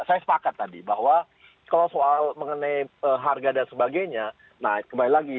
saya sepakat tadi bahwa kalau soal mengenai harga dan sebagainya nah kembali lagi